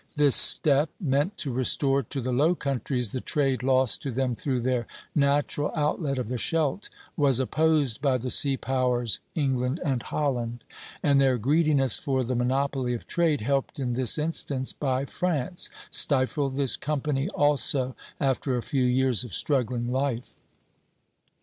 This step, meant to restore to the Low Countries the trade lost to them through their natural outlet of the Scheldt, was opposed by the sea powers England and Holland; and their greediness for the monopoly of trade, helped in this instance by France, stifled this company also after a few years of struggling life.